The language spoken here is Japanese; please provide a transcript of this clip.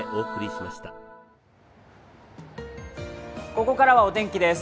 ここからはお天気です。